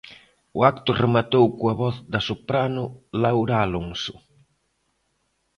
O acto rematou coa voz da soprano Laura Alonso.